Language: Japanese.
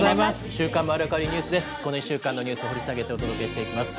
週刊まるわかりニュースです。